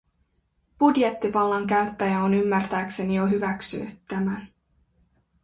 Budjettivallan käyttäjä on ymmärtääkseni jo hyväksynyt tämän.